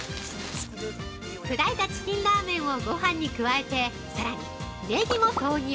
◆砕いたチキンラーメンをごはんに加えてさらにネギも投入。